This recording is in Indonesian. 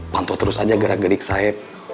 pantau terus aja gerak gerik saya